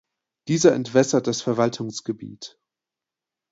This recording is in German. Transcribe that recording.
Dieser entwässert das Verwaltungsgebiet.